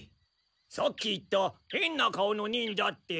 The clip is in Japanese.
さっき言った変な顔の忍者って。